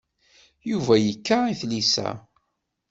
Yuba yekka i tlisa.